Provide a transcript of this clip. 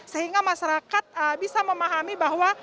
sehingga masyarakat bisa memahami bahwa